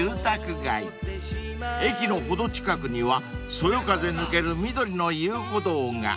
［駅の程近くにはそよ風抜ける緑の遊歩道が］